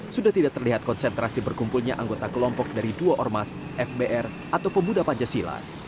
sudah tidak terlihat konsentrasi berkumpulnya anggota kelompok dari dua ormas fbr atau pemuda pancasila